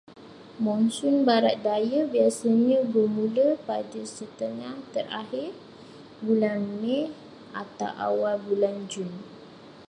Monsun barat daya biasanya bermula pada setengah terakhir bulan Mei atau awal bulan Jun.